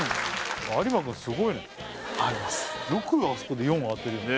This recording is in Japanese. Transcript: よくあそこで４当てるよね